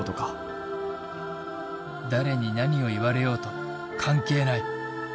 誰に何を言われようと関係ない